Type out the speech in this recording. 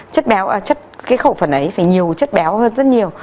cái khẩu phần ấy phải nhiều chất béo hơn rất nhiều